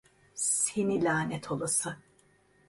Seni lanet olası!